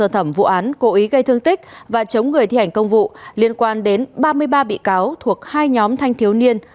thẩm vụ án cố ý gây thương tích và chống người thi hành công vụ liên quan đến ba mươi ba bị cáo thuộc hai nhóm thanh thiếu niên